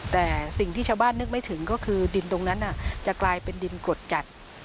แต่สิ่งที่ชาวบ้านนึกไม่ถึงก็คือดินตรงนั้นจะกลายเป็นดินกรดกัด